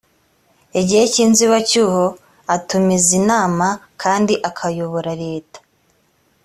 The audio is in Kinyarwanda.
igihe cy ‘inzibacyuho atumiza inama kandi akayobora leta.